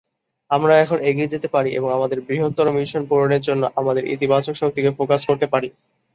আমরা এখন এগিয়ে যেতে পারি এবং আমাদের বৃহত্তর মিশন পূরণের জন্য আমাদের ইতিবাচক শক্তিকে ফোকাস করতে পারি।